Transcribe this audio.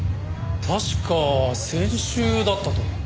確か先週だったと。